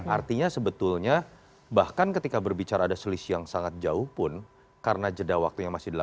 artinya sebetulnya bahkan ketika berbicara ada selisih yang sangat jauh pun karena jeda waktunya masih delapan